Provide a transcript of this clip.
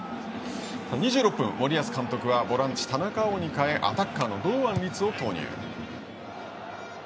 ２６分、森保監督はボランチの田中碧に代えアタッカーの堂安律を投入。